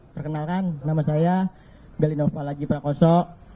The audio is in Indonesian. perkenalkan nama saya galinova lajiprakoso